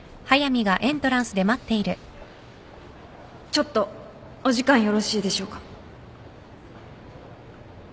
ちょっとお時間よろしいでしょうか？